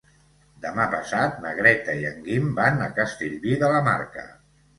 Demà passat na Greta i en Guim van a Castellví de la Marca.